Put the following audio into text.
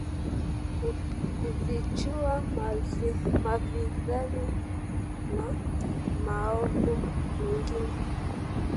kufichua mafisadi na maovu mengine